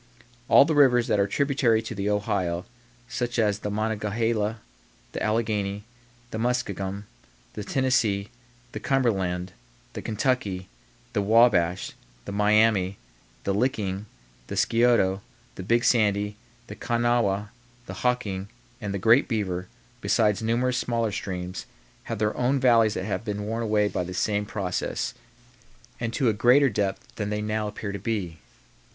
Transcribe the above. All the rivers that are tributary to the Ohio, such as the Monongahela, the Alleghany, the Muskingum, the Tennessee, the Cumberland, the Kentucky, the Wabash, the Miami, the Licking, the Scioto, the Big Sandy, the Kanawha, the Hocking, and the Great Beaver, besides numerous smaller streams, have their own valleys that have been worn away by the same process, and to a greater depth than they now appear to be.